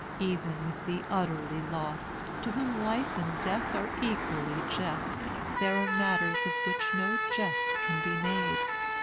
Even with the utterly lost, to whom life and death are equally jests, there are matters of which no jest can be made.